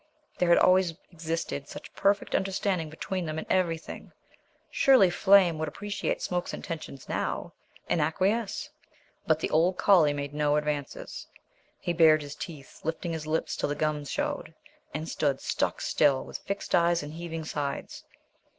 There had always existed such perfect understanding between them in everything. Surely Flame would appreciate Smoke's intentions now, and acquiesce. But the old collie made no advances. He bared his teeth, lifting his lips till the gums showed, and stood stockstill with fixed eyes and heaving sides.